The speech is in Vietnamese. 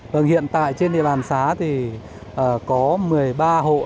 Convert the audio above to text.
vâng hiện tại trên địa bàn xá thì có một mươi ba hộ